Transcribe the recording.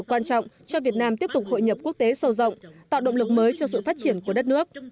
quan trọng cho việt nam tiếp tục hội nhập quốc tế sâu rộng tạo động lực mới cho sự phát triển của đất nước